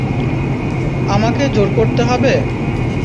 আমাকে জোর করতে হবে?